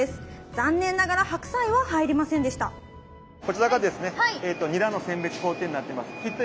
残念ながら白菜は入りませんでしたなるほど。